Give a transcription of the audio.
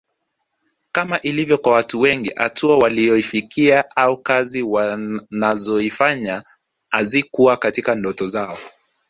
Kama ilivyo kwa watu wengi hatua waliyoifikia au kazi wanazoifanya hazikuwa katika ndoto zao